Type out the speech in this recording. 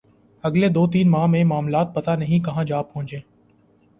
اگلے دو تین ماہ میں معاملات پتہ نہیں کہاں جا پہنچیں۔